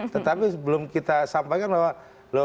tetapi sebelum kita sampaikan bahwa loh